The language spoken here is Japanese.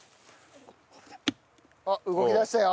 あっ動きだしたよ。